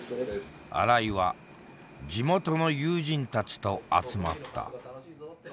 新井は地元の友人たちと集まった。